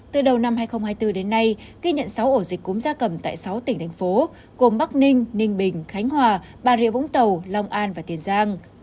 từ đầu năm hai nghìn hai mươi bốn đến nay ghi nhận sáu ổ dịch cúm gia cầm tại sáu tỉnh thành phố gồm bắc ninh ninh bình khánh hòa bà rịa vũng tàu long an và tiền giang